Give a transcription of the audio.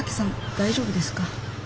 大丈夫ですか？